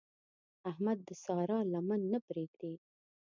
احمد د سارا لمن نه پرېږدي.